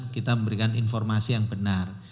kita memberikan informasi yang benar